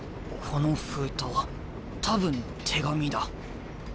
この封筒多分手紙だ。